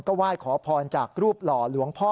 ไหว้ขอพรจากรูปหล่อหลวงพ่อ